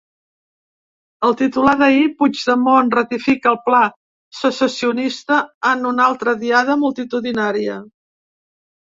El titular d’ahir: ‘Puigdemont ratifica el pla secessionista en una altra Diada multitudinària’